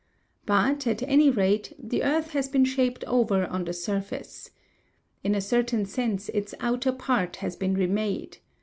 But, at any rate, the earth has been shaped over on the surface. In a certain sense its outer part has been remade.